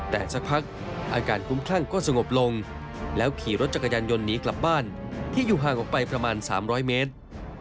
แต่สักพักอาการคุ้มคลั่งก็สงบลงแล้วขี่รถจักรยานยนต์หนีกลับบ้านที่อยู่ห่างออกไปประมาณ๓๐๐เมตร